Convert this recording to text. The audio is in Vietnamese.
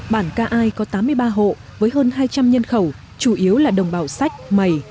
bản ca ai có tám mươi ba hộ với hơn hai trăm linh nhân khẩu chủ yếu là đồng bào sách mầy